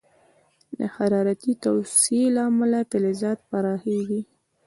د حرارتي توسعې له امله فلزات پراخېږي.